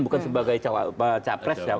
bukan sebagai capres ya